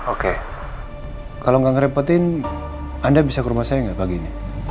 oke kalau nggak ngerepotin anda bisa ke rumah saya nggak paginya